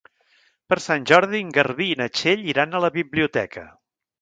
Per Sant Jordi en Garbí i na Txell iran a la biblioteca.